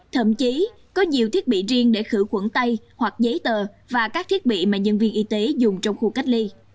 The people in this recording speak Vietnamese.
thậm chí có nhiều thiết bị riêng để khử khuẩn tay hoặc giấy tờ và các thiết bị mà nhân viên y tế dùng trong khu cách ly